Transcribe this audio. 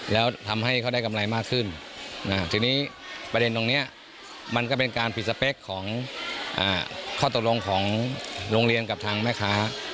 แล้วทำให้เขาได้กำไรมากขึ้นทีนี้ประเด็นตรงนี้มันก็เป็นการผิดสเปคของข้อตกลงของโรงเรียนกับทางแม่ค้า